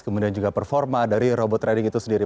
kemudian juga performa dari robot trading itu sendiri